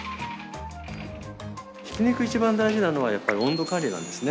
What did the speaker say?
ひき肉一番大事なのはやっぱり温度管理なんですね。